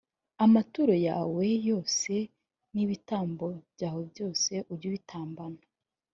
amaturo yawe yose n ibitambo byawe byose ujye ubitambana